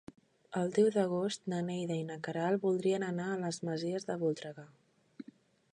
El deu d'agost na Neida i na Queralt voldrien anar a les Masies de Voltregà.